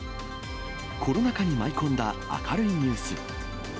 コロナ禍に舞い込んだ明るいニュース。